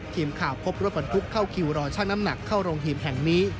ทีมข่าวพบรถบรรทุกเข้าคิวรอช่างน้ำหนักเข้าโรงหิมแห่งนี้